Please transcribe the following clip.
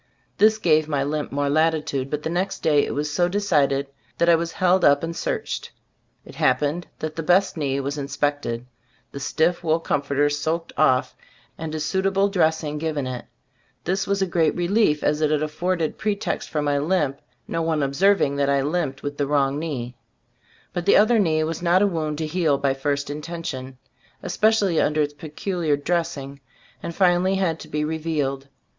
This gave my limp more latitude, but the next day it was so decided, that I was held up and searched. It happened that the best knee was inspected; the stiff wool comforter soaked off, and a suitable dressing given it. This was a great relief, as it afforded pretext for my limp, no one observing that I limped with the wrong knee. 62 trbe Store of fby CbU&boofc But the other knee was not a wound to heal by first intention, especially un der its peculiar dressing, and finally had to be revealed.